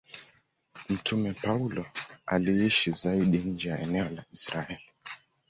Mtume Paulo aliishi zaidi nje ya eneo la Israeli.